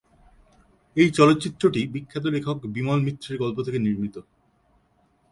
এই চলচ্চিত্রটি বিখ্যাত লেখক বিমল মিত্র এর গল্প থেকে নির্মিত।